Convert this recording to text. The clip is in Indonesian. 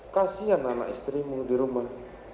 kasian anak istrimu di rumah